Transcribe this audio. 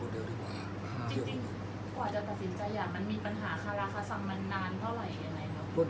อันไหนที่มันไม่จริงแล้วอาจารย์อยากพูด